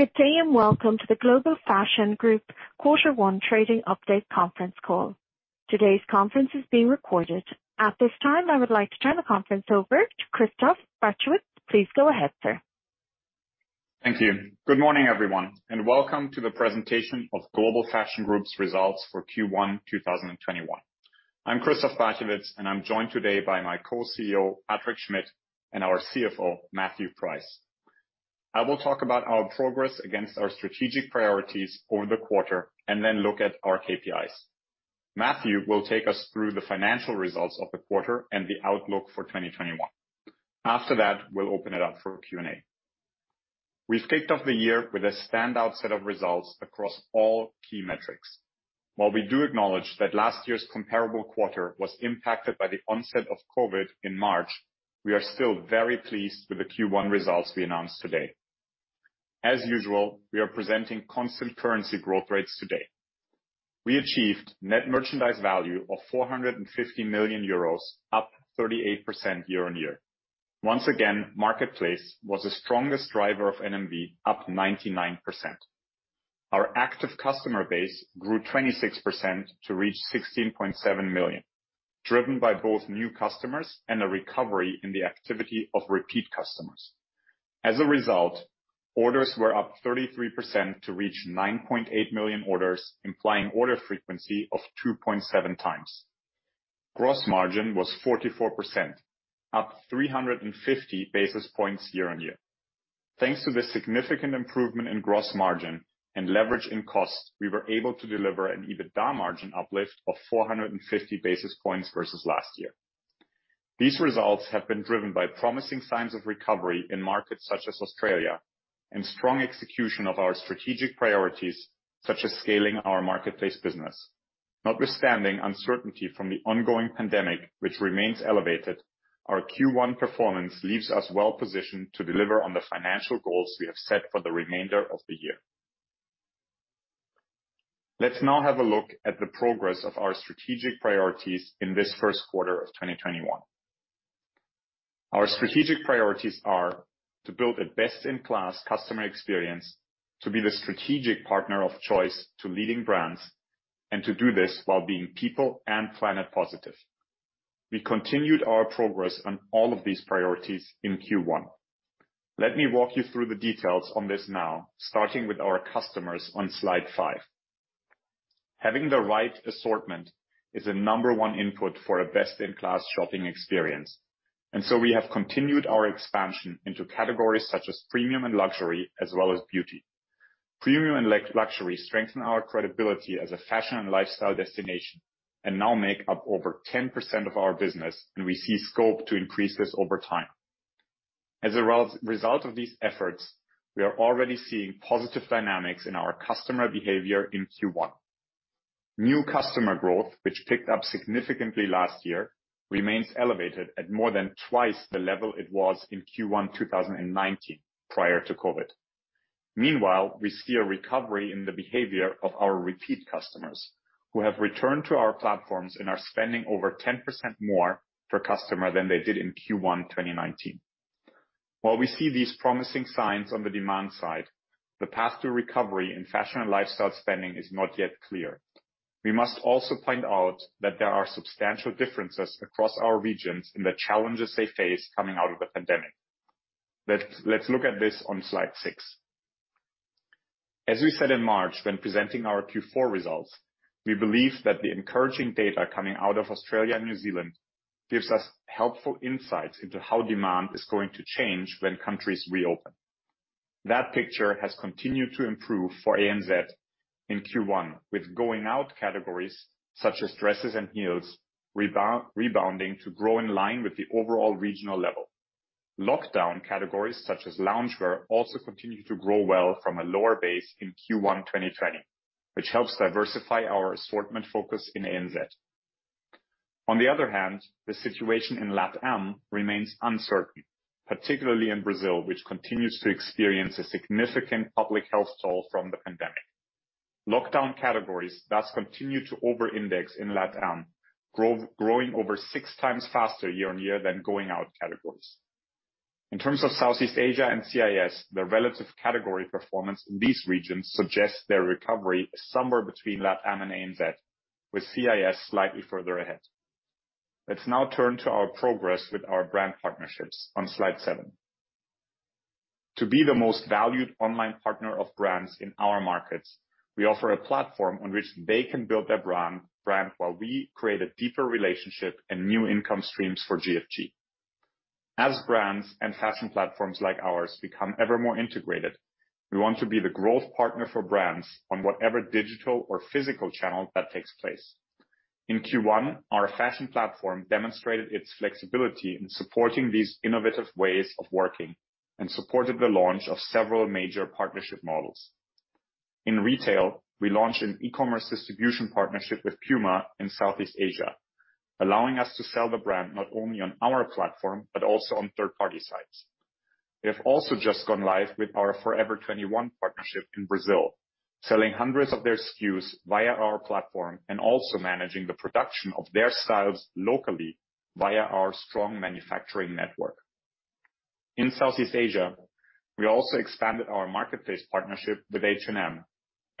Good day, and welcome to the Global Fashion Group Quarter One Trading Update Conference Call. Today's conference is being recorded. At this time, I would like to turn the conference over to Christoph Barchewitz. Please go ahead, sir. Thank you. Good morning, everyone, and welcome to the presentation of Global Fashion Group's results for Q1 2021. I'm Christoph Barchewitz, and I'm joined today by my Co-CEO, Patrick Schmidt, and our CFO, Matthew Price. I will talk about our progress against our strategic priorities over the quarter and then look at our KPIs. Matthew will take us through the financial results of the quarter and the outlook for 2021. After that, we'll open it up for Q&A. We've kicked off the year with a standout set of results across all key metrics. While we do acknowledge that last year's comparable quarter was impacted by the onset of COVID in March, we are still very pleased with the Q1 results we announced today. As usual, we are presenting constant currency growth rates today. We achieved a net merchandise value of 450 million euros, up 38% year-on-year. Once again, the marketplace was the strongest driver of NMV, up 99%. Our active customer base grew 26% to reach 16.7 million, driven by both new customers and a recovery in the activity of repeat customers. As a result, orders were up 33% to reach 9.8 million orders, implying an order frequency of 2.7x. Gross margin was 44%, up 350 basis points year-on-year. Thanks to the significant improvement in gross margin and leverage in costs, we were able to deliver an EBITDA margin uplift of 450 basis points versus last year. These results have been driven by promising signs of recovery in markets such as Australia and strong execution of our strategic priorities, such as scaling our marketplace business. Notwithstanding uncertainty from the ongoing pandemic, which remains elevated, our Q1 performance leaves us well positioned to deliver on the financial goals we have set for the remainder of the year. Let's now have a look at the progress of our strategic priorities in this first quarter of 2021. Our strategic priorities are to build a best-in-class customer experience, to be the strategic partner of choice to leading brands, and to do this while being people- and planet-positive. We continued our progress on all of these priorities in Q1. Let me walk you through the details on this now, starting with our customers on slide five. Having the right assortment is a number one input for a best-in-class shopping experience, and so we have continued our expansion into categories such as premium and luxury, as well as beauty. Premium and luxury strengthen our credibility as a fashion and lifestyle destination and now make up over 10% of our business, and we see scope to increase this over time. As a result of these efforts, we are already seeing positive dynamics in our customer behavior in Q1. New customer growth, which picked up significantly last year, remains elevated at more than twice the level it was in Q1 2019 prior to COVID. Meanwhile, we see a recovery in the behavior of our repeat customers who have returned to our platforms and are spending over 10% more per customer than they did in Q1 2019. While we see these promising signs on the demand side, the path to recovery in fashion and lifestyle spending is not yet clear. We must also point out that there are substantial differences across our regions in the challenges they face coming out of the pandemic. Let's look at this on slide six. As we said in March when presenting our Q4 results, we believe that the encouraging data coming out of Australia and New Zealand gives us helpful insights into how demand is going to change when countries reopen. That picture has continued to improve for ANZ in Q1, with going out categories such as dresses and heels rebounding to grow in line with the overall regional level. Lockdown categories such as loungewear also continue to grow well from a lower base in Q1 2020, which helps diversify our assortment focus in ANZ. On the other hand, the situation in LatAm remains uncertain, particularly in Brazil, which continues to experience a significant public health toll from the pandemic. Lockdown categories thus continue to over-index in LatAm, growing over six times faster year-on-year than going out categories. In terms of Southeast Asia and CIS, the relative category performance in these regions suggests their recovery is somewhere between LatAm and ANZ, with CIS slightly further ahead. Let's now turn to our progress with our brand partnerships on slide seven. To be the most valued online partner of brands in our markets, we offer a platform on which they can build their brand while we create a deeper relationship and new income streams for GFG. As brands and fashion platforms like ours become ever more integrated, we want to be the growth partner for brands on whatever digital or physical channel that takes place. In Q1, our fashion platform demonstrated its flexibility in supporting these innovative ways of working and supported the launch of several major partnership models. In retail, we launched an e-commerce distribution partnership with Puma in Southeast Asia, allowing us to sell the brand not only on our platform but also on third-party sites. We have also just gone live with our Forever 21 partnership in Brazil. Selling hundreds of their SKUs via our platform and also managing the production of their styles locally via our strong manufacturing network. In Southeast Asia, we also expanded our marketplace partnership with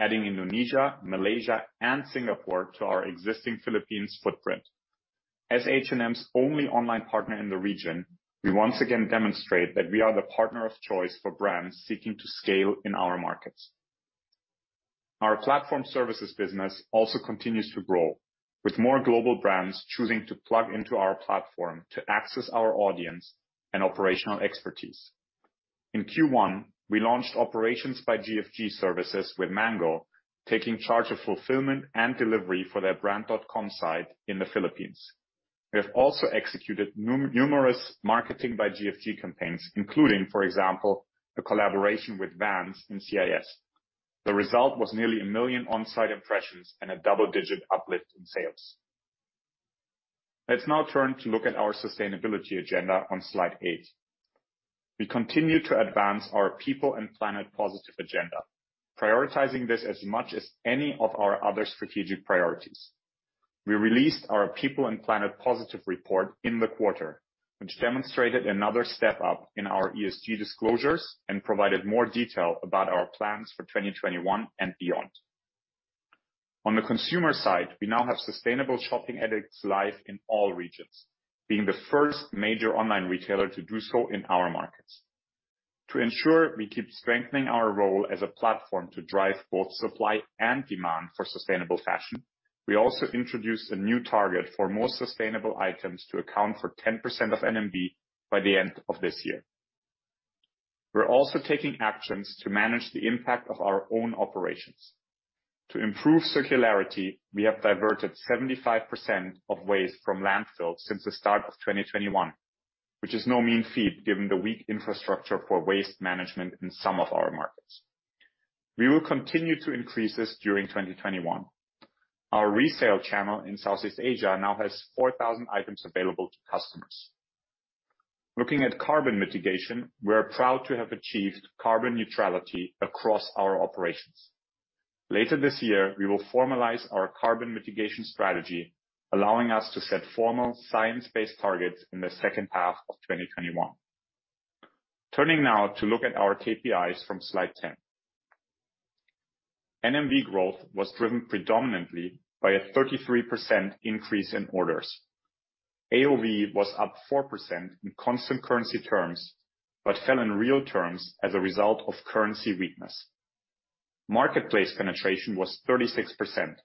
H&M, adding Indonesia, Malaysia, and Singapore to our existing Philippines footprint. As H&M's only online partner in the region, we once again demonstrate that we are the partner of choice for brands seeking to scale in our markets. Our platform services business also continues to grow, with more global brands choosing to plug into our platform to access our audience and operational expertise. In Q1, we launched Operations by GFG Services with Mango, taking charge of fulfillment and delivery for their brand.com site in the Philippines. We have also executed numerous Marketing by GFG campaigns, including, for example, a collaboration with Vans and CIS. The result was nearly a million on-site impressions and a double-digit uplift in sales. Let's now turn to look at our sustainability agenda on slide eight. We continue to advance our People and Planet Positive agenda, prioritizing this as much as any of our other strategic priorities. We released our People and Planet Positive Report in the quarter, which demonstrated another step up in our ESG disclosures and provided more detail about our plans for 2021 and beyond. On the consumer side, we now have sustainable shopping edits live in all regions, being the first major online retailer to do so in our markets. To ensure we keep strengthening our role as a platform to drive both supply and demand for sustainable fashion, we also introduced a new target for more sustainable items to account for 10% of NMV by the end of this year. We're also taking actions to manage the impact of our own operations. To improve circularity, we have diverted 75% of waste from landfills since the start of 2021, which is no mean feat given the weak infrastructure for waste management in some of our markets. We will continue to increase this during 2021. Our resale channel in Southeast Asia now has 4,000 items available to customers. Looking at carbon mitigation, we are proud to have achieved carbon neutrality across our operations. Later this year, we will formalize our carbon mitigation strategy, allowing us to set formal science-based targets in the second half of 2021. Turning now to look at our KPIs from slide 10. NMV growth was driven predominantly by a 33% increase in orders. AOV was up 4% in constant currency terms, but fell in real terms as a result of currency weakness. Marketplace penetration was 36%,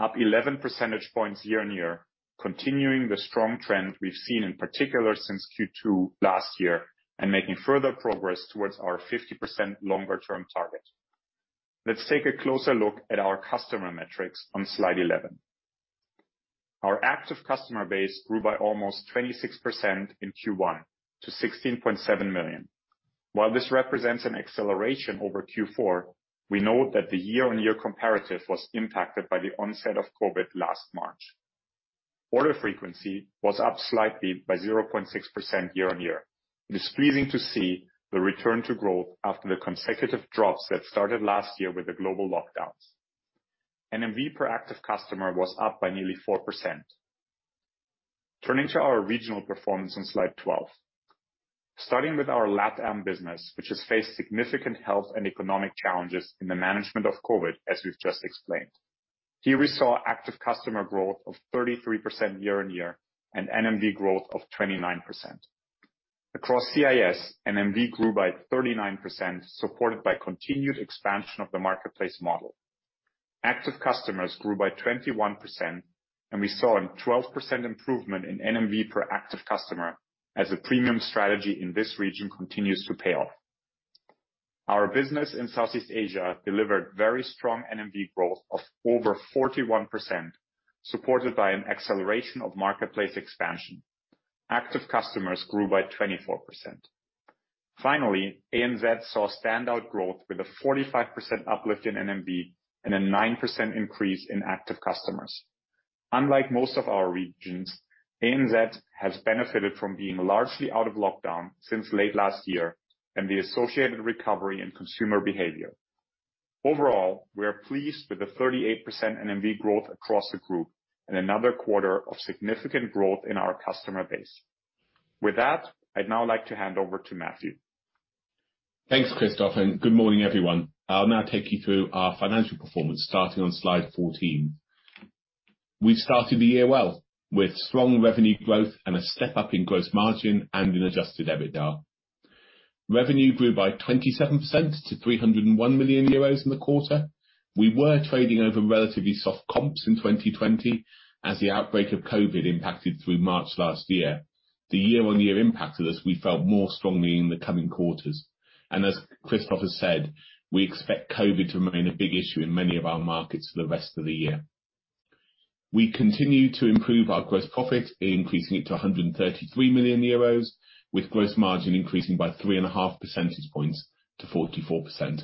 up 11 percentage points year-on-year, continuing the strong trend we've seen in particular since Q2 last year and making further progress towards our 50% longer-term target. Let's take a closer look at our customer metrics on slide 11. Our active customer base grew by almost 26% in Q1 to 16.7 million. While this represents an acceleration over Q4, we note that the year-on-year comparative was impacted by the onset of COVID last March. Order frequency was up slightly by 0.6% year-on-year. It is pleasing to see the return to growth after the consecutive drops that started last year with the global lockdowns. NMV per active customer was up by nearly 4%. Turning to our regional performance on slide 12. Starting with our LatAm business, which has faced significant health and economic challenges in the management of COVID, as we've just explained. Here, we saw active customer growth of 33% year-on-year and NMV growth of 29%. Across CIS, NMV grew by 39%, supported by continued expansion of the marketplace model. Active customers grew by 21%, and we saw a 12% improvement in NMV per active customer as the premium strategy in this region continues to pay off. Our business in Southeast Asia delivered very strong NMV growth of over 41%, supported by an acceleration of marketplace expansion. Active customers grew by 24%. ANZ saw standout growth with a 45% uplift in NMV and a 9% increase in active customers. Unlike most of our regions, ANZ has benefited from being largely out of lockdown since late last year and the associated recovery in consumer behavior. Overall, we are pleased with the 38% NMV growth across the group and another quarter of significant growth in our customer base. With that, I'd now like to hand over to Matthew. Thanks, Christoph, and good morning, everyone. I'll now take you through our financial performance, starting on slide 14. We've started the year well with strong revenue growth and a step up in gross margin and in adjusted EBITDA. Revenue grew by 27% to 301 million euros in the quarter. We were trading over relatively soft comps in 2020 as the outbreak of COVID impacted us through March last year. The year-on-year impact of this, we felt more strongly in the coming quarters. As Christoph has said, we expect COVID to remain a big issue in many of our markets for the rest of the year. We continue to improve our gross profit, increasing it to 133 million euros, with gross margin increasing by 3.5 percentage points to 44%.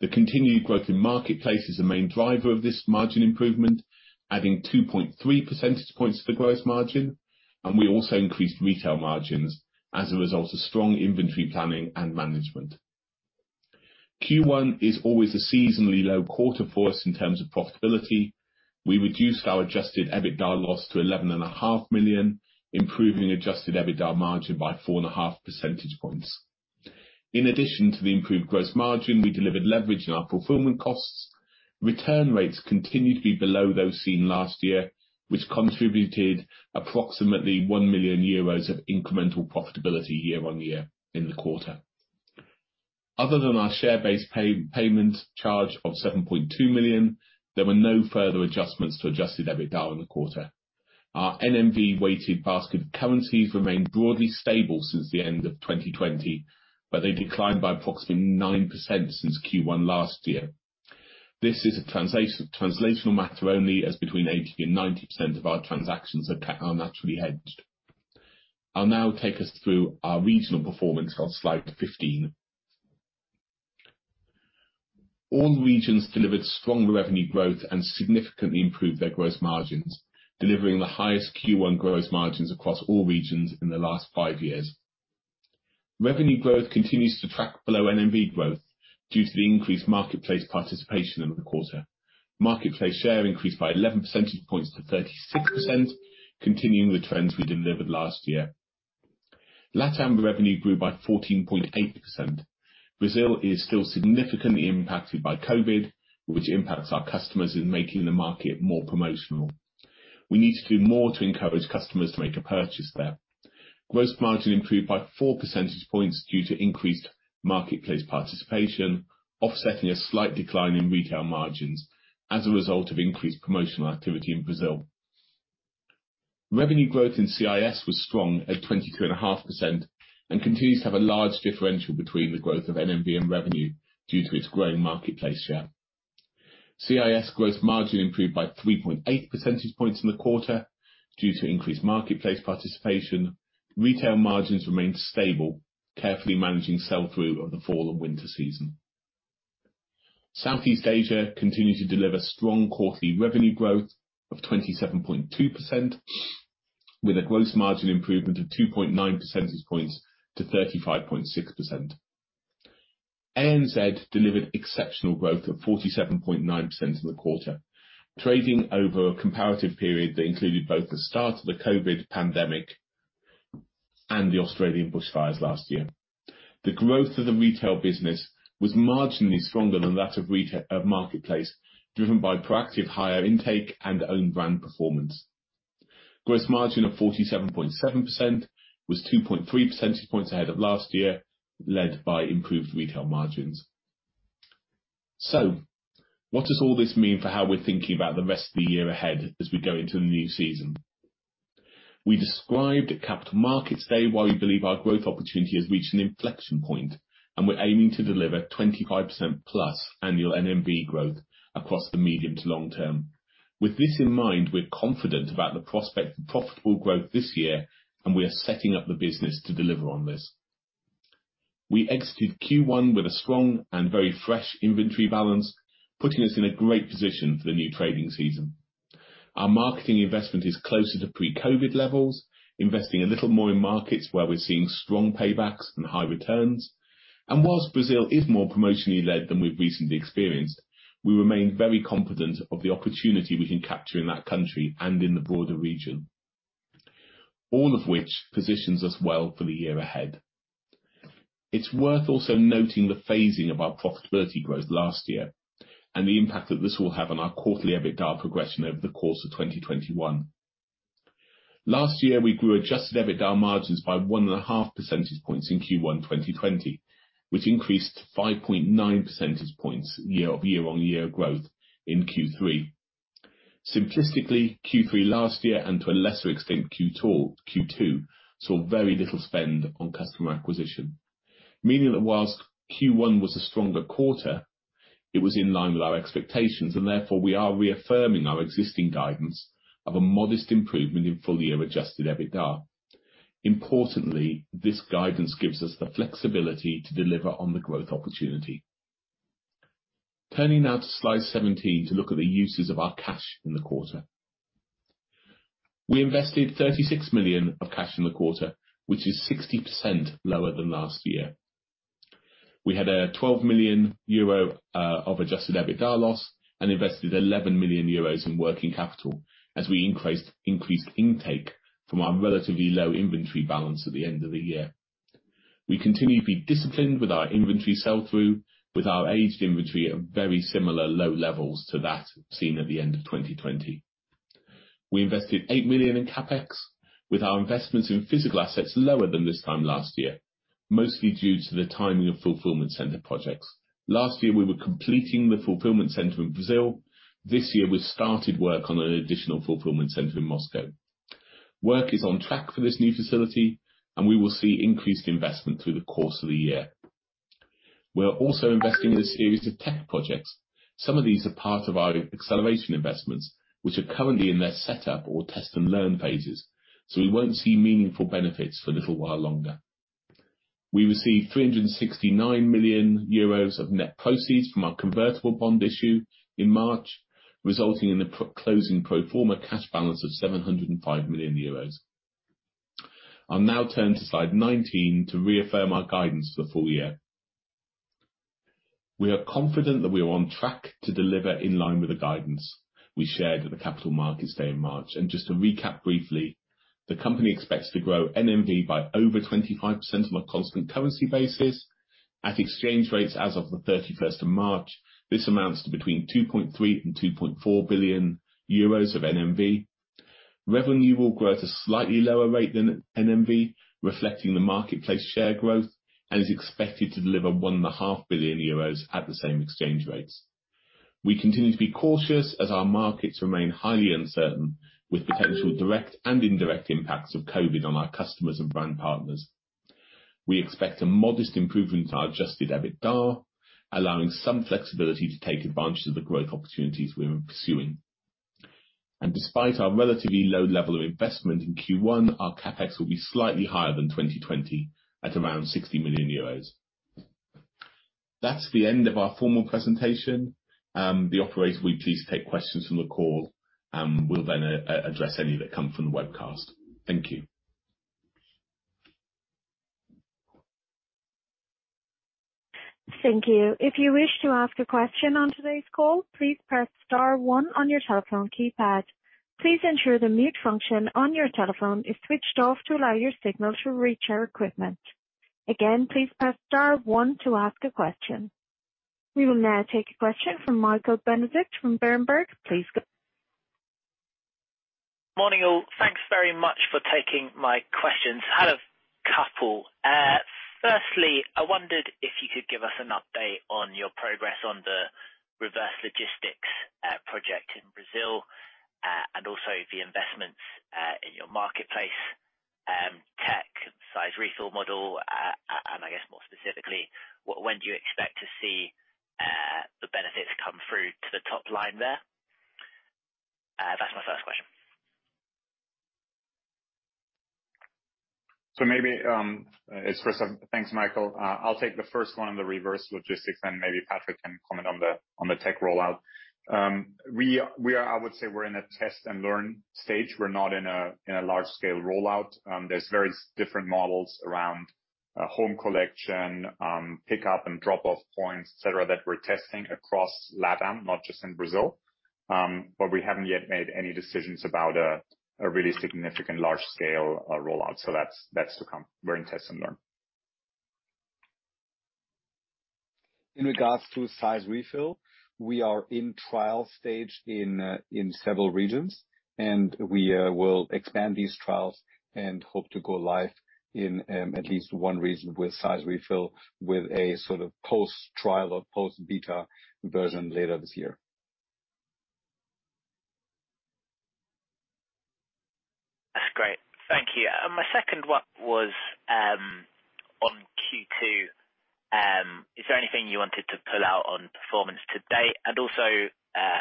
The continued growth in the marketplace is the main driver of this margin improvement, adding 2.3 percentage points to the gross margin, and we also increased retail margins as a result of strong inventory planning and management. Q1 is always a seasonally low quarter for us in terms of profitability. We reduced our adjusted EBITDA loss to 11.5 million, improving adjusted EBITDA margin by 4.5 percentage points. In addition to the improved gross margin, we delivered leverage in our fulfillment costs. Return rates continued to be below those seen last year, which contributed approximately 1 million euros of incremental profitability year on year in the quarter. Other than our share-based payment charge of 7.2 million, there were no further adjustments to adjusted EBITDA in the quarter. Our NMV weighted basket of currencies remained broadly stable since the end of 2020, but they declined by approximately 9% since Q1 last year. This is a translational matter only, as between 80% and 90% of our transactions are naturally hedged. I'll now take us through our regional performance on slide 15. All regions delivered strong revenue growth and significantly improved their gross margins, delivering the highest Q1 gross margins across all regions in the last five years. Revenue growth continues to track below NMV growth due to the increased marketplace participation in the quarter. Marketplace share increased by 11 percentage points to 36%, continuing the trends we delivered last year. LatAm revenue grew by 14.8%. Brazil is still significantly impacted by COVID, which impacts our customers by making the market more promotional. We need to do more to encourage customers to make a purchase there. Gross margin improved by 4 percentage points due to increased marketplace participation, offsetting a slight decline in retail margins as a result of increased promotional activity in Brazil. Revenue growth in CIS was strong at 22.5% and continues to have a large differential between the growth of NMV and revenue due to its growing marketplace share. CIS gross margin improved by 3.8 percentage points in the quarter due to increased marketplace participation. Retail margins remained stable, carefully managing sell-through of the fall and winter season. Southeast Asia continued to deliver strong quarterly revenue growth of 27.2% with a gross margin improvement of 2.9 percentage points to 35.6%. ANZ delivered exceptional growth of 47.9% in the quarter, trading over a comparative period that included both the start of the COVID pandemic and the Australian bushfires last year. The growth of the retail business was marginally stronger than that of the marketplace, driven by proactive higher intake and owned brand performance. Gross margin of 47.7% was 2.3 percentage points ahead of last year, led by improved retail margins. What does all this mean for how we're thinking about the rest of the year ahead as we go into a new season? We described at Capital Markets Day why we believe our growth opportunity has reached an inflection point, and we're aiming to deliver +25% annual NMV growth across the medium- to long-term. With this in mind, we're confident about the prospect of profitable growth this year, and we are setting up the business to deliver on this. We exited Q1 with a strong and very fresh inventory balance, putting us in a great position for the new trading season. Our marketing investment is closer to pre-COVID levels, investing a little more in markets where we're seeing strong paybacks and high returns. While Brazil is more promotionally led than we've recently experienced, we remain very confident of the opportunity we can capture in that country and in the broader region, all of which positions us well for the year ahead. It's worth also noting the phasing of our profitability growth last year and the impact that this will have on our quarterly EBITDA progression over the course of 2021. Last year, we grew adjusted EBITDA margins by 1.5 percentage points in Q1 2020, which increased to 5.9 percentage points of year-on-year growth in Q3. Simplistically, Q3 last year, and to a lesser extent, Q2, saw very little spend on customer acquisition, meaning that whilst Q1 was a stronger quarter, it was in line with our expectations, and therefore, we are reaffirming our existing guidance of a modest improvement in full-year adjusted EBITDA. Importantly, this guidance gives us the flexibility to deliver on the growth opportunity. Turning now to slide 17 to look at the uses of our cash in the quarter. We invested 36 million of cash in the quarter, which is 60% lower than last year. We had a 12 million euro of adjusted EBITDA loss and invested 11 million euros in working capital as we increased intake from our relatively low inventory balance at the end of the year. We continue to be disciplined with our inventory sell-through, with our aged inventory at very similar low levels to that seen at the end of 2020. We invested 8 million in CapEx, with our investments in physical assets lower than this time last year, mostly due to the timing of fulfillment center projects. Last year, we were completing the fulfillment center in Brazil. This year, we started work on an additional fulfillment center in Moscow. Work is on track for this new facility. We will see increased investment through the course of the year. We are also investing in a series of tech projects. Some of these are part of our acceleration investments, which are currently in their setup or test and learn phases. We won't see meaningful benefits for a little while longer. We received EUR 369 million of net proceeds from our convertible bond issue in March, resulting in a closing pro forma cash balance of 705 million euros. I'll now turn to slide 19 to reaffirm our guidance for the full year. We are confident that we are on track to deliver in line with the guidance we shared at the Capital Markets Day in March. Just to recap briefly, the company expects to grow NMV by over 25% on a constant currency basis. At exchange rates as of the 31st of March, this amounts to between 2.3 billion and 2.4 billion euros of NMV. Revenue will grow at a slightly lower rate than NMV, reflecting the marketplace share growth, and is expected to deliver 1.5 billion euros at the same exchange rates. We continue to be cautious as our markets remain highly uncertain, with potential direct and indirect impacts of COVID on our customers and brand partners. We expect a modest improvement to our adjusted EBITDA, allowing some flexibility to take advantage of the growth opportunities we are pursuing. Despite our relatively low level of investment in Q1, our CapEx will be slightly higher than 2020 at around 60 million euros. That's the end of our formal presentation. The operator will please take questions from the call, and we'll then address any that come from the webcast. Thank you. Thank you. If you wish to ask a question on today's call, please press star one on your telephone keypad. Please ensure the mute function on your telephone is switched off to allow your signal to reach our equipment. Again, please press star one to ask a question. We will now take a question from Michael Benedict from Berenberg. Please. Morning, all. Thanks very much for taking my questions. Had a couple. Firstly, I wondered if you could give us an update on your progress on the reverse logistics project in Brazil and also the investments in your marketplace, tech, size, and fit model, and I guess more specifically, when do you expect to see the benefits come through to the top line there? That's my first question. Thanks, Michael. I'll take the first one on the reverse logistics, and maybe Patrick can comment on the tech rollout. I would say we're in a test and learn stage. We're not in a large-scale rollout. There are various different models around home collection, pickup and drop-off points, et cetera, that we're testing across LatAm, not just in Brazil. We haven't yet made any decisions about a really significant large-scale rollout. That's to come. We're in test and learn. In regard to size and fit, we are in the trial stage in several regions, and we will expand these trials and hope to go live in at least one region with size and fit with a sort of post-trial or post-beta version later this year. That's great. Thank you. My second one was on Q2. Is there anything you wanted to pull out on performance to date?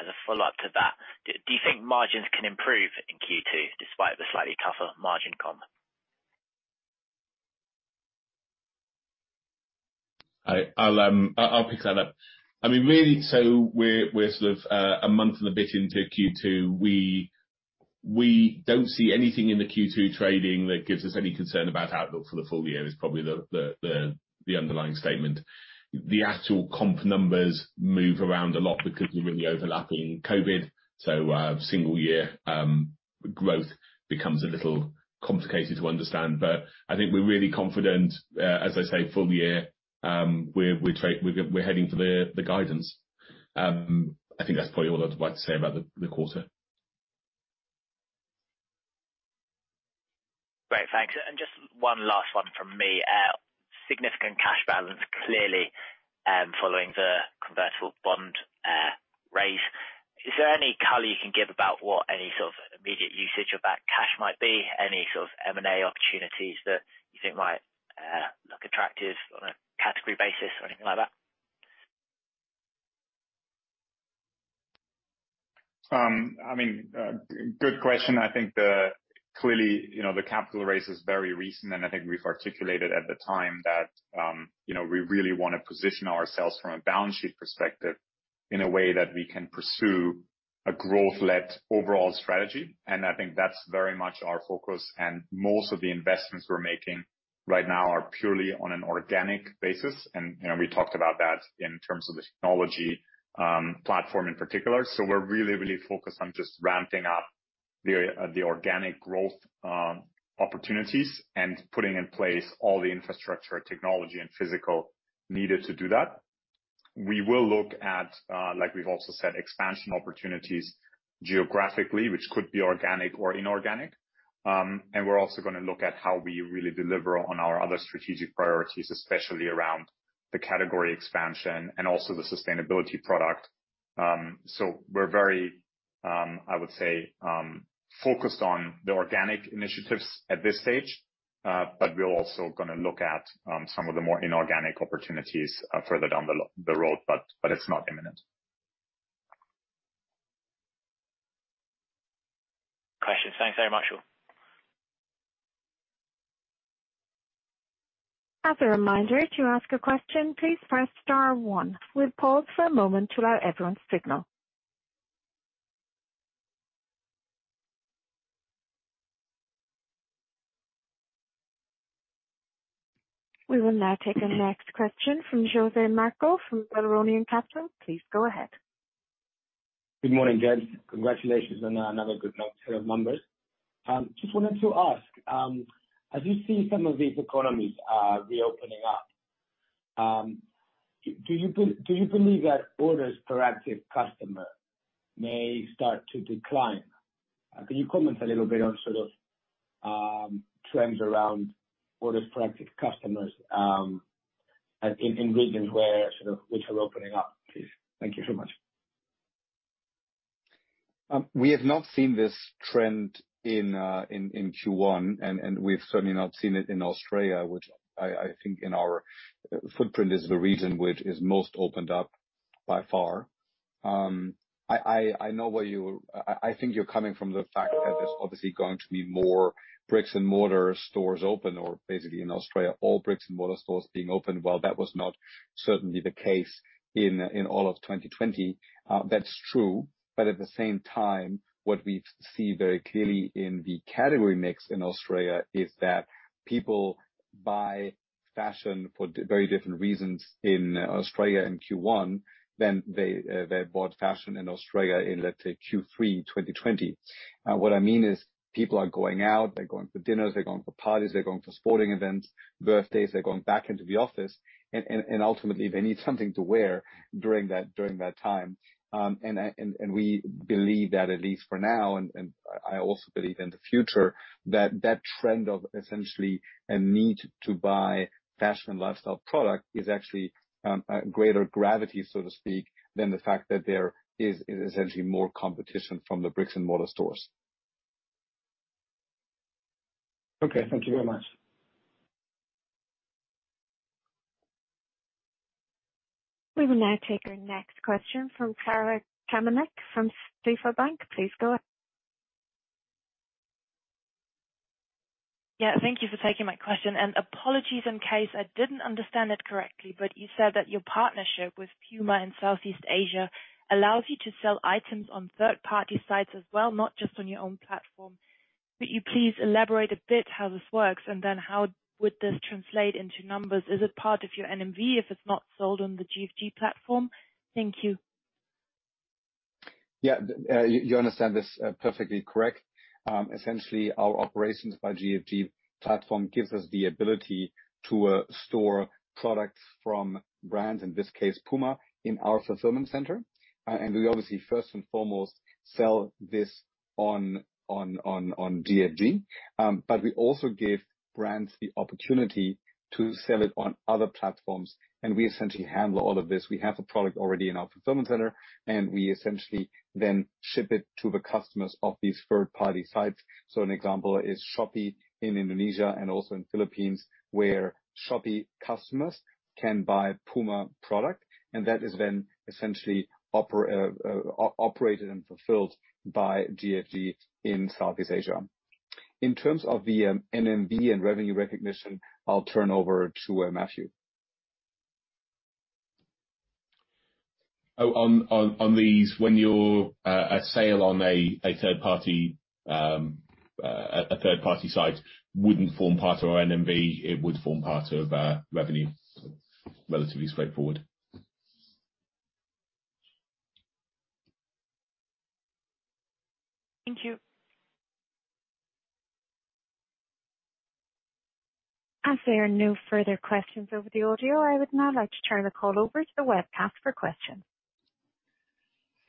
The follow-up to that: do you think margins can improve in Q2 despite the slightly tougher margin comp? I'll pick that up. Really, we're sort of a month and a bit into Q2. We don't see anything in the Q2 trading that gives us any concern about the outlook for the full year is probably the underlying statement. The actual comp numbers move around a lot because we're really overlapping COVID, single-year growth becomes a little complicated to understand. I think we're really confident, as I say, for the full year, we're heading for the guidance. I think that's probably all I'd like to say about the quarter. Great. Thanks. Just one last one from me. Significant cash balance, clearly, following the convertible bond raise. Is there any color you can give about what any sort of immediate usage of that cash might be? Any sort of M&A opportunities that you think might look attractive on a category basis or anything like that? Good question. I think clearly, the capital raise is very recent, and I think we've articulated at the time that we really want to position ourselves from a balance sheet perspective in a way that we can pursue a growth-led overall strategy. I think that's very much our focus, and most of the investments we're making right now are purely on an organic basis. We talked about that in terms of the technology platform in particular. We're really, really focused on just ramping up the organic growth opportunities and putting in place all the infrastructure, technology, and physical means needed to do that. We will look at, like we've also said, expansion opportunities geographically, which could be organic or inorganic. We're also going to look at how we really deliver on our other strategic priorities, especially around the category expansion and also the sustainability product. We're very, I would say, focused on the organic initiatives at this stage. We're also going to look at some of the more inorganic opportunities further down the road. It's not imminent. No questions. Thanks very much, all. As a reminder, to ask a question, please press star, one. We'll pause for a moment to allow everyone's signal. We will now take our next question from José Marco from Berenberg Capital. Please go ahead. Good morning, guys. Congratulations on another good set of numbers. Just wanted to ask, as you see some of these economies reopening up, do you believe that orders per active customer may start to decline? Can you comment a little bit on trends around orders per active customer in regions that are opening up, please? Thank you so much. We have not seen this trend in Q1, and we've certainly not seen it in Australia, which I think in our footprint is the region that is most opened up by far. I think you're coming from the fact that there's obviously going to be more bricks-and-mortar stores open, or basically in Australia, all bricks-and-mortar stores being open, while that was not certainly the case in all of 2020. That's true, but at the same time, what we see very clearly in the category mix in Australia is that people buy fashion for very different reasons in Australia in Q1 than they bought fashion in Australia in, let's say, Q3 2020. What I mean is people are going out. They're going for dinners, they're going for parties, they're going for sporting events and birthdays, and they're going back into the office, and ultimately, they need something to wear during that time. We believe that, at least for now, and I also believe in the future that that trend of essentially a need to buy fashion and lifestyle products has actually greater gravity, so to speak, than the fact that there is essentially more competition from the bricks-and-mortar stores. Okay. Thank you very much. We will now take our next question from Chiara Battistini from J.P. Morgan. Please go ahead. Yeah. Thank you for taking my question, and apologies in case I didn't understand it correctly, but you said that your partnership with Puma in Southeast Asia allows you to sell items on third-party sites as well, not just on your own platform. Could you please elaborate a bit on how this works, how would this translate into numbers? Is it part of your NMV if it's not sold on the GFG platform? Thank you. Yeah. You understand this perfectly correctly. Essentially, our Operations by GFG platform gives us the ability to store products from brands, in this case, Puma, in our fulfillment center. We obviously, first and foremost, sell this on GFG. We also give brands the opportunity to sell it on other platforms, and we essentially handle all of this. We have the product already in our fulfillment center, and we essentially then ship it to the customers of these third-party sites. An example is Shopee in Indonesia and also in Philippines, where Shopee customers can buy Puma product, and that is then essentially operated and fulfilled by GFG in Southeast Asia. In terms of the NMV and revenue recognition, I'll turn over to Matthew. On these, when you're on a sale on a third-party site, it wouldn't form part of our NMV, it would form part of our revenue. Relatively straightforward. Thank you. As there are no further questions over the audio, I would now like to turn the call over to the webcast for questions.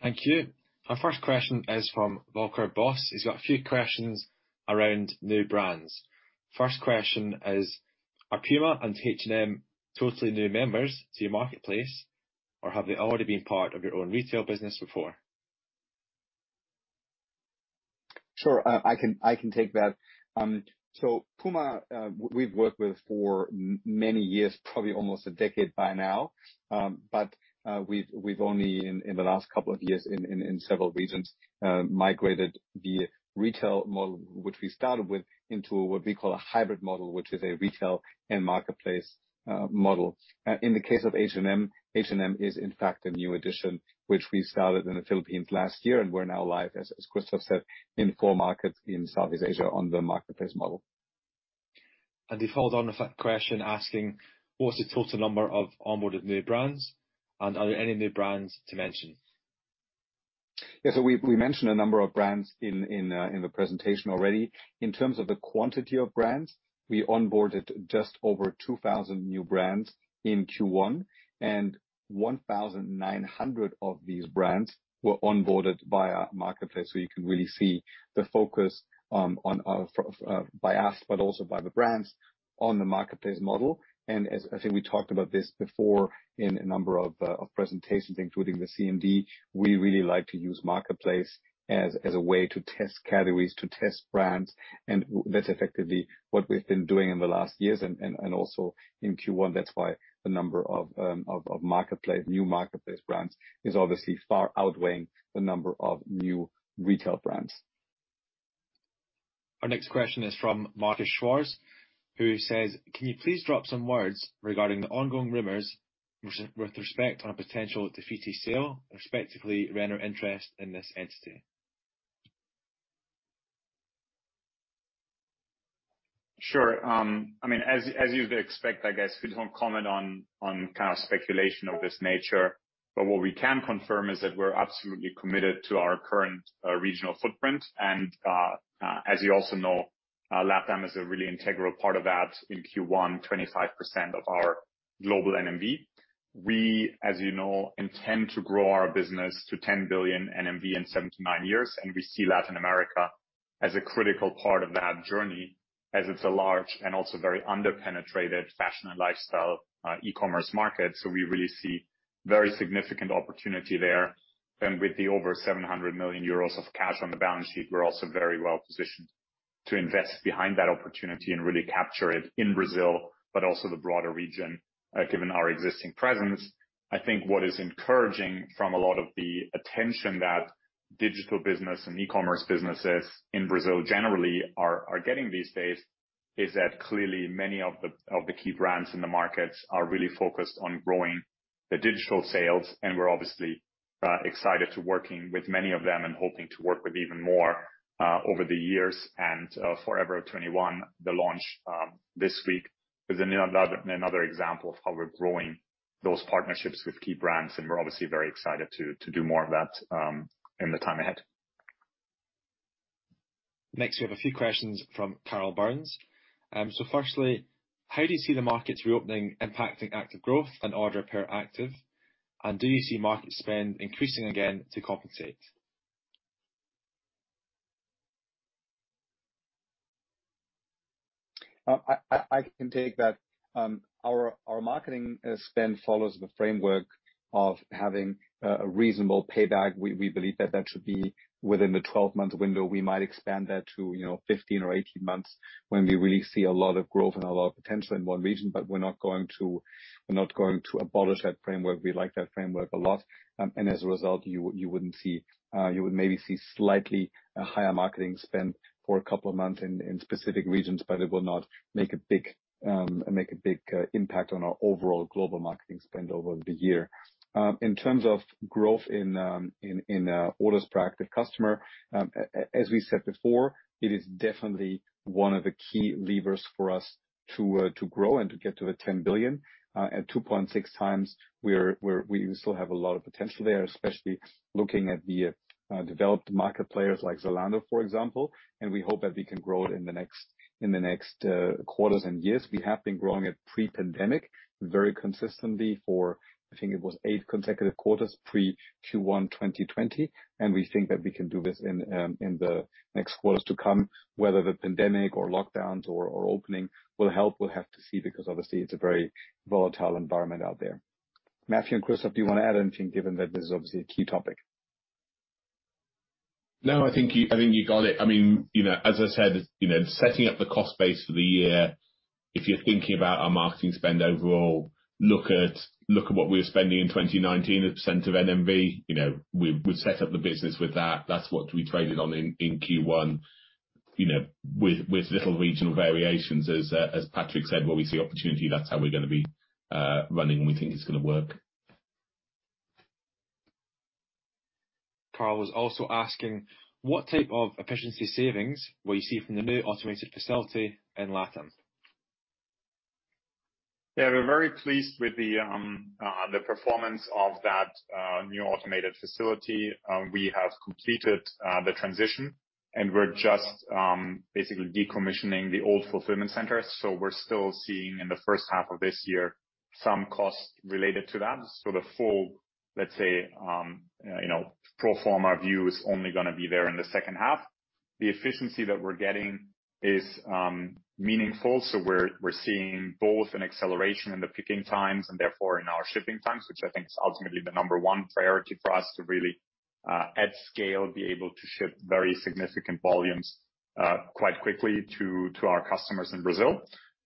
Thank you. Our first question is from Volker Bosse. He's got a few questions around new brands. First question is, are Puma and H&M totally new members to your marketplace, or have they already been part of your own retail business before? Sure. I can take that. Puma, we've worked with for many years, probably almost a decade by now. We've only in the last couple of years, in several regions, migrated the retail model, which we started with, into what we call a hybrid model, which is a retail and marketplace model. In the case of H&M, H&M is in fact a new addition, which we started in the Philippines last year, and we're now live, as Christoph said, in four markets in Southeast Asia on the marketplace model. To follow on with that question, what's the total number of onboarded new brands, and are there any new brands to mention? Yeah, we mentioned a number of brands in the presentation already. In terms of the quantity of brands, we onboarded just over 2,000 new brands in Q1, and 1,900 of these brands were onboarded via marketplace. You can really see the focus by us but also by the brands on the marketplace model. As I think we talked about this before in a number of presentations, including the CMD, we really like to use the marketplace as a way to test categories and test brands, and that's effectively what we've been doing in the last years and also in Q1. That's why the number of new marketplace brands is obviously far outweighing the number of new retail brands. Our next question is from Markus Schwarz, who says, Can you please drop some words regarding the ongoing rumors with respect to a potential Dafiti sale and Renner interest in this entity, respectively? Sure. As you'd expect, I guess we don't comment on speculation of this nature. What we can confirm is that we're absolutely committed to our current regional footprint. As you also know, LatAm is a really integral part of that, in Q1, 25% of our global NMV. We, as you know, intend to grow our business to 10 billion NMV in seven to nine years. We see Latin America as a critical part of that journey, as it's a large and also very under-penetrated fashion and lifestyle e-commerce market. We really see very significant opportunity there. With the over 700 million euros of cash on the balance sheet, we're also very well positioned to invest behind that opportunity and really capture it in Brazil but also in the broader region, given our existing presence. I think what is encouraging from a lot of the attention that digital businesses and e-commerce businesses in Brazil generally are getting these days is that clearly many of the key brands in the markets are really focused on growing the digital sales, and we're obviously excited to be working with many of them and hoping to work with even more over the years. Forever 21, the launch this week is another example of how we're growing those partnerships with key brands, and we're obviously very excited to do more of that in the time ahead. Next, we have a few questions from Carole Madjo. Firstly, how do you see the markets reopening impacting active growth and orders per active, and do you see market spend increasing again to compensate? I can take that. Our marketing spend follows the framework of having a reasonable payback. We believe that that should be within the 12-month window. We might expand that to 15 or 18 months when we really see a lot of growth and a lot of potential in one region, but we're not going to abolish that framework. We like that framework a lot. As a result, you would maybe see slightly higher marketing spend for a couple of months in specific regions, but it will not make a big impact on our overall global marketing spend over the year. In terms of growth in orders per active customer, as we said before, it is definitely one of the key levers for us to grow and to get to the 10 billion. At 2.6x, we still have a lot of potential there, especially looking at the developed market players like Zalando, for example. We hope that we can grow it in the next quarters and years. We have been growing at pre-pandemic levels very consistently for, I think, eight consecutive quarters pre-Q1 2020. We think that we can do this in the next quarters to come, whether the pandemic or lockdowns or opening will help, we'll have to see, because obviously it's a very volatile environment out there. Matthew and Christoph, do you want to add anything, given that this is obviously a key topic? No, I think you got it. As I said, setting up the cost base for the year, if you're thinking about our marketing spend overall, look at what we were spending in 2019 as a percent of NMV. We set up the business with that. That's what we traded on in Q1. With little regional variation, as Patrick said, where we see opportunity, that's how we're going to be running, and we think it's going to work. Carole was also asking what type of efficiency savings will you see from the new automated facility in LatAm? Yeah, we're very pleased with the performance of that new automated facility. We have completed the transition, and we're just basically decommissioning the old fulfillment center. We're still seeing in the first half of this year some costs related to that. The full pro forma view is only going to be there in the second half. The efficiency that we're getting is meaningful. We're seeing both an acceleration in the picking times and therefore in our shipping times, which I think is ultimately the number one priority for us to really, at scale, be able to ship very significant volumes quite quickly to our customers in Brazil.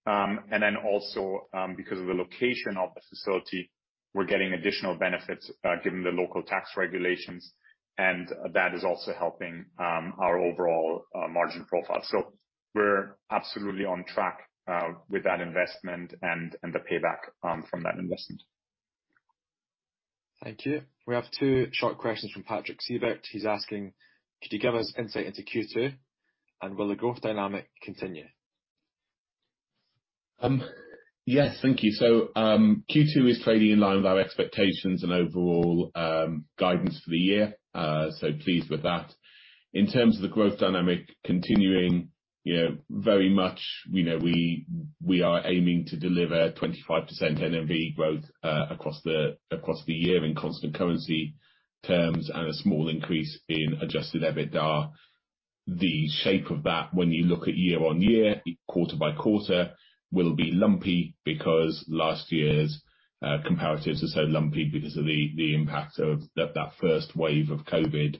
Also, because of the location of the facility, we're getting additional benefits, given the local tax regulations, and that is also helping our overall margin profile. We're absolutely on track with that investment and the payback from that investment. Thank you. We have two short questions from Patrick Sievert. He's asking, could you give us insight into Q2, and will the growth dynamic continue? Yes. Thank you. Q2 is trading in line with our expectations and overall guidance for the year. Pleased with that. In terms of the growth dynamic continuing, very much we know we are aiming to deliver 25% NMV growth across the year in constant currency terms and a small increase in adjusted EBITDA. The shape of that when you look at year-on-year, quarter-by-quarter, will be lumpy because last year's comparatives are so lumpy because of the impact of that first wave of COVID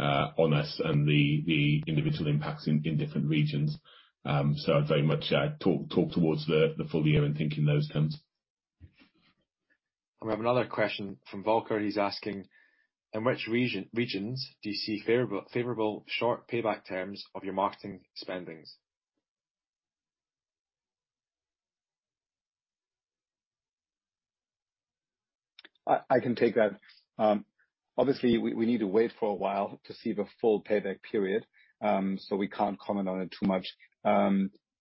on us and the individual impacts in different regions. I'd very much talk towards the full year and think in those terms. We have another question from Volker. He's asking, In which regions do you see favorable short payback terms for your marketing spend? I can take that. Obviously, we need to wait for a while to see the full payback period, so we can't comment on it too much.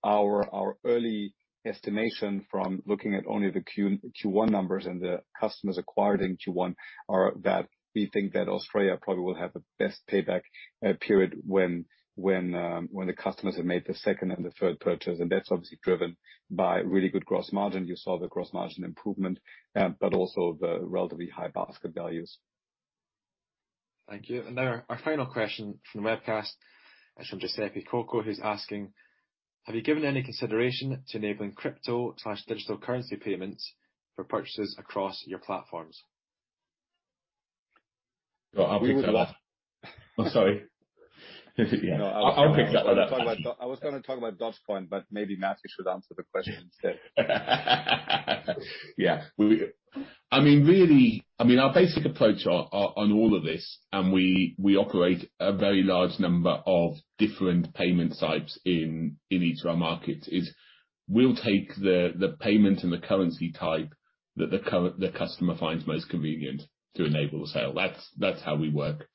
Our early estimation from looking at only the Q1 numbers and the customers acquired in Q1 is that we think that Australia probably will have the best payback period when the customers have made the second and the third purchase. That's obviously driven by really good gross margin. You saw the gross margin improvement and also the relatively high basket values. Thank you. Now our final question from the webcast is from Giuseppe Coco, who's asking, Have you given any consideration to enabling crypto/digital currency payments for purchases across your platforms? Oh, sorry. Yeah, I'll pick it up. I was going to talk about Dogecoin, but maybe Matthew should answer the question instead. Yeah. Our basic approach to all of this, operating a very large number of different payment types in each of our markets, is we'll take the payment and the currency type that the customer finds most convenient to enable the sale. That's how we work.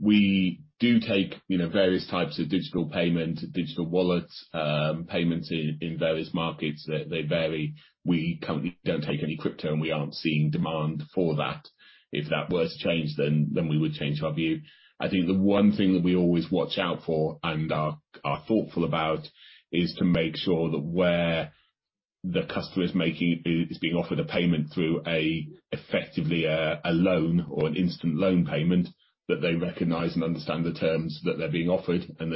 We do take various types of digital payment, digital wallets, and payments in various markets. They vary. We currently don't take any crypto, we aren't seeing demand for that. If that were to change, we would change our view. I think the one thing that we always watch out for and are thoughtful about is to make sure that where the customer is being offered a payment through effectively a loan or an instant loan payment, that they recognize and understand the terms that they're being offered, and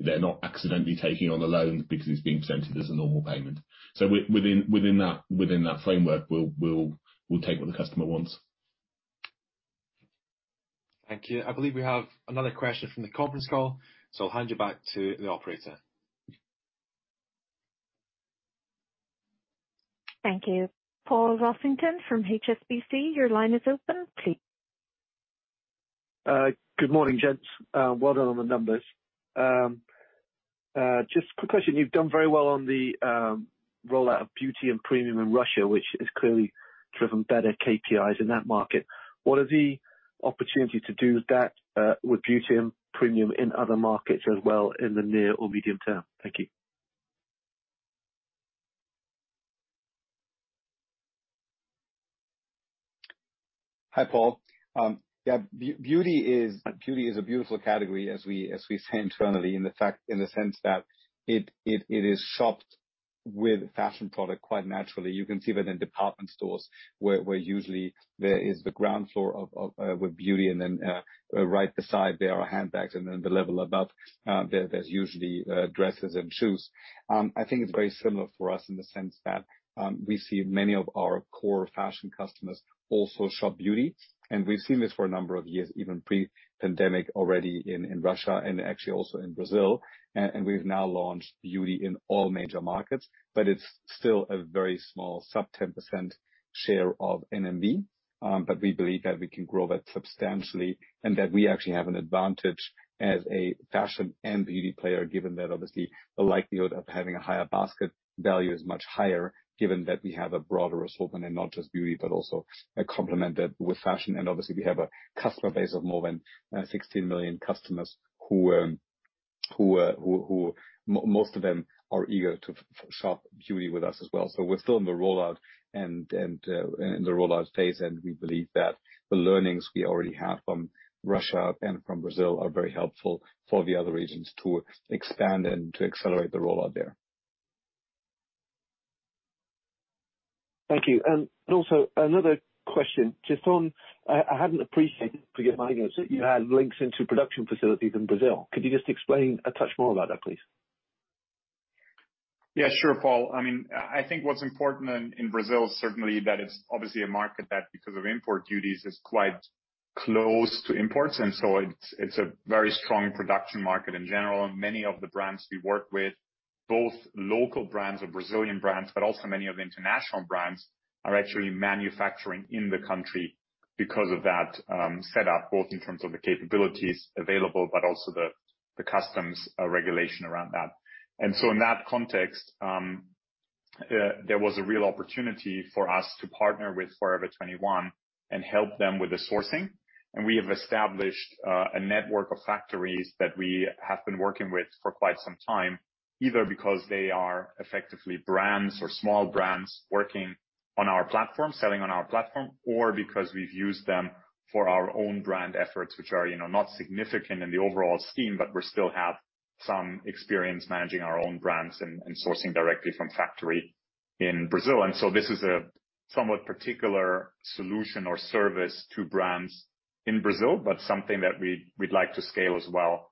they're not accidentally taking on a loan because it's being presented as a normal payment. Within that framework, we'll take what the customer wants. Thank you. I believe we have another question from the conference call, so I'll hand you back to the operator. Thank you. Paul Rossington from HSBC, your line is open. Please- Good morning, gents. Well done on the numbers. Just a quick question. You've done very well on the rollout of Beauty and Premium in Russia, which has clearly driven better KPIs in that market. What are the opportunities to do that with beauty and premium in other markets as well in the near or medium term? Thank you. Hi, Paul. Yeah, Beauty is a beautiful category, as we say internally, in the sense that it is shopped with fashion products quite naturally. You can see that in department stores, where usually there is the ground floor with beauty, and then right beside it there are handbags, and then the level above there are usually dresses and shoes. I think it's very similar for us in the sense that we see many of our core fashion customers also shop Beauty, and we've seen this for a number of years, even pre-pandemic, already in Russia and actually also in Brazil. We've now launched beauty in all major markets, but it's still a very small sub-10% share of NMV. We believe that we can grow that substantially and that we actually have an advantage as a fashion and beauty player, given that obviously the likelihood of having a higher basket value is much higher, given that we have a broader assortment and not just beauty but also complemented with fashion. Obviously, we have a customer base of more than 16 million customers, most of whom are eager to shop for beauty with us as well. We're still in the rollout phase, and we believe that the learnings we already have from Russia and from Brazil are very helpful for the other regions to expand and to accelerate the rollout there. Thank you. Also, another question, just on that—I hadn't appreciated, forgive my ignorance, that you had links into production facilities in Brazil. Could you just explain a touch more about that, please? Yeah, sure, Paul. I think what's important in Brazil, certainly, is that it's obviously a market that, because of import duties, is quite closed to imports. It's a very strong production market in general. Many of the brands we work with, both local brands and Brazilian brands, but also many of the international brands, are actually manufacturing in the country because of that setup, both in terms of the capabilities available and the customs regulations around that. In that context, there was a real opportunity for us to partner with Forever 21 and help them with the sourcing. We have established a network of factories that we have been working with for quite some time, either because they are effectively brands or small brands working on our platform or selling on our platform, or because we've used them for our own brand efforts, which are not significant in the overall scheme, but we still have some experience managing our own brands and sourcing directly from factories in Brazil. This is a somewhat particular solution or service to brands in Brazil, but something that we'd like to scale as well,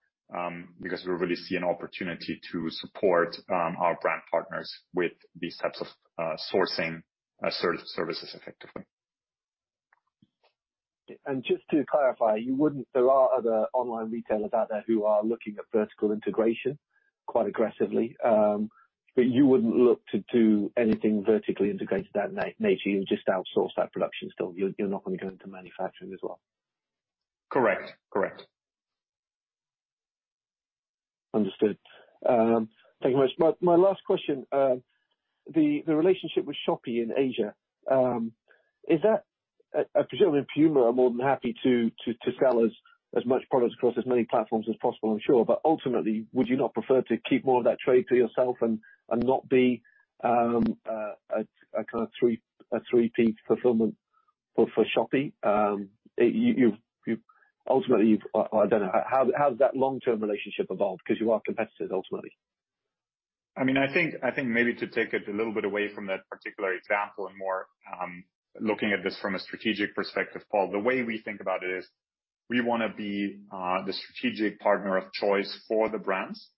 because we really see an opportunity to support our brand partners with these types of sourcing services effectively. Just to clarify, there are other online retailers out there who are looking at vertical integration quite aggressively. You wouldn't look to do anything vertically integrated of that nature. You would just outsource that production still. You're not going to go into manufacturing as well? Correct. Understood. Thank you very much. My last question, the relationship with Shopee in Asia, I presume Puma are more than happy to sell as much product across as many platforms as possible, I'm sure. Ultimately, would you not prefer to keep more of that trade to yourself and not be a kind of 3PL fulfillment for Shopee? I don't know. How has that long-term relationship evolved? You are competitors, ultimately. I think maybe to take it a little bit away from that particular example and more look at this from a strategic perspective, Paul. The way we think about it is we want to be the strategic partner of choice for the brands,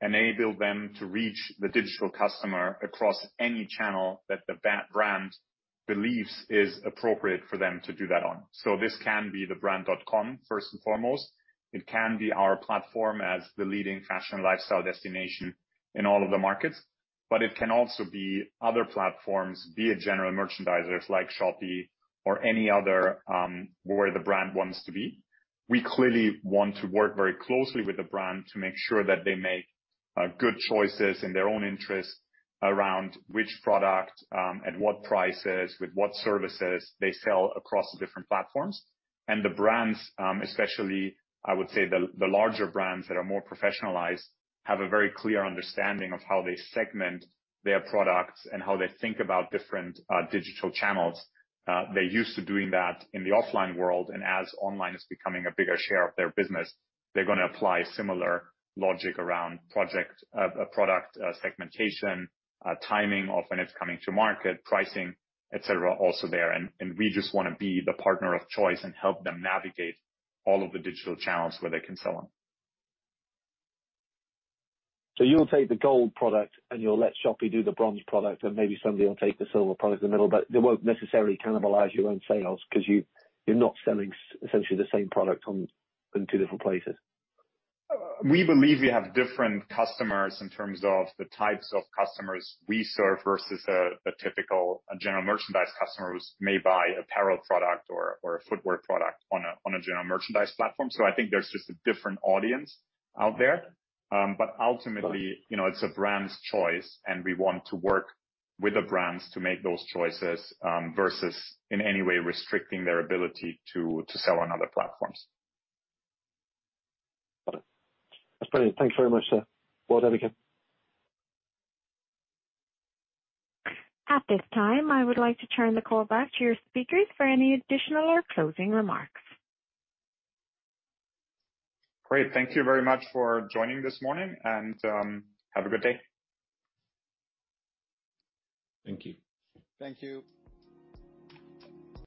enable them to reach the digital customer across any channel that the brand believes is appropriate for them to do that on. This can be the brand.com first and foremost. It can be our platform as the leading fashion lifestyle destination in all of the markets, it can also be other platforms, be they general merchandisers like Shopee or any other, where the brand wants to be. We clearly want to work very closely with the brand to make sure that they make good choices in their own interest around which products, at what prices, and with what services they sell across the different platforms. The brands, especially, I would say, the larger brands that are more professionalized, have a very clear understanding of how they segment their products and how they think about different digital channels. They're used to doing that in the offline world, and as online is becoming a bigger share of their business, they're going to apply similar logic around product segmentation, timing of when it's coming to market, pricing, et cetera, also online. We just want to be the partner of choice and help them navigate all of the digital channels where they can sell on. You'll take the gold product and you'll let Shopee do the bronze product, and maybe somebody will take the silver product in the middle, but they won't necessarily cannibalize your own sales because you're not selling essentially the same product in two different places. We believe we have different customers in terms of the types of customers we serve versus a typical general merchandise customer who may buy an apparel product or a footwear product on a general merchandise platform. I think there's just a different audience out there. Ultimately, it's a brand's choice, and we want to work with the brands to make those choices, versus in any way restricting their ability to sell on other platforms. Got it. That's brilliant. Thank you very much, sir. Well done again. At this time, I would like to turn the call back to your speakers for any additional or closing remarks. Great. Thank you very much for joining this morning, and have a good day. Thank you. Thank you.